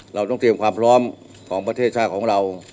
เราต้องเตรียมความพร้อมของประเทศชาติของเรา